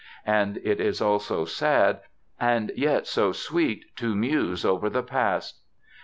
And it is also sad and yet so sweet to muse over the past.